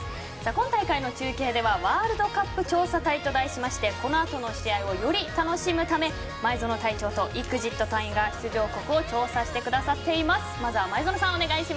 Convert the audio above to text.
今大会の中継ではワールドカップ調査隊と題しましてこの後の試合をより楽しむため前園隊長とＥＸＩＴ隊員が出場国を調査してくださっています。